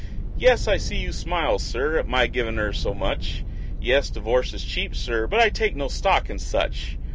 Yes, I see you smile, Sir, at my givin' her so much; Yes, divorce is cheap, Sir, but I take no stock in such!